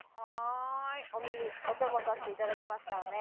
お耳お供させて頂きますからね。